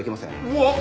うわっ！